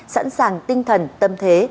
sẵn sàng tinh thần tâm thế